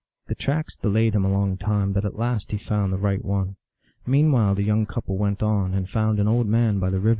The tracks delayed him a long time, but at last he found the right one. Meanwhile the young couple went on, and found an old man by the river.